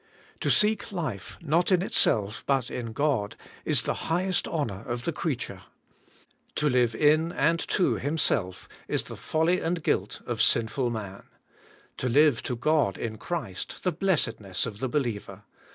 To seek life, not in itself, but in God, is the highest honour of the creature. To live in and to himself is the folly and guilt of sinful man; to live to God in Christ, the blessedness of the believer.